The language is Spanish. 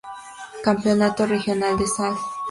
Campeonato regional de Sal